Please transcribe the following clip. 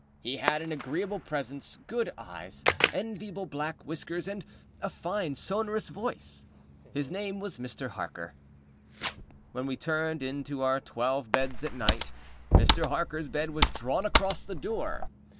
He had an agreeable presence, good eyes, enviable black whiskers, and a fine sonorous voice. His name was Mr. Harker. When we turned into our twelve beds at night, Mr. Harkerâs bed was drawn across the door.